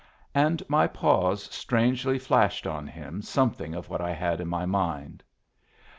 And my pause strangely flashed on him something of that I had in my mind.